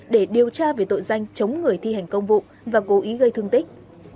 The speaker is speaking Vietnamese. để điều tra về tội danh chống người thi hành công vụ và cố ý gây thương tích